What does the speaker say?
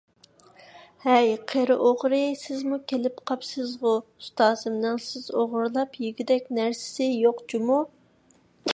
ھەي قېرى ئوغرى، سىزمۇ كېلىپ قاپسىزغۇ؟ ئۇستازىمنىڭ سىز ئوغرىلاپ يېگۈدەك نەرسىسى يوق جۇمۇ!